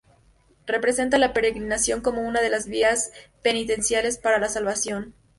Representa la peregrinación como una de las vías penitenciales para la salvación.